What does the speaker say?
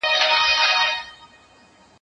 زه به اوږده موده د ښوونځي کتابونه مطالعه کړم